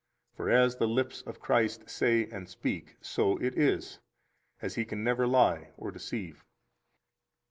For as the lips of Christ say and speak, so it is, as He can never lie or deceive.